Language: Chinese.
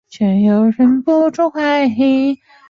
发售公司是波丽佳音。